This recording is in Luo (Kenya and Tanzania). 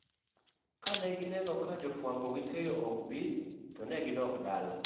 kanegineno ka jofwambo gi keyo ok bi tonegidokdala